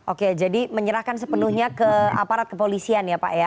oke jadi menyerahkan sepenuhnya ke aparat kepolisian ya pak ya